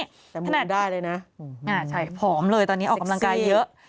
แต่มีคุณได้เลยนะอืมฮือใช่ผอมเลยตอนนี้ออกกำลังกายเยอะ